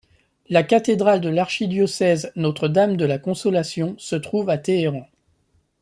La cathédrale de l’archidiocèse, ‘Notre-Dame de la Consolation’, se trouve à Téhéran.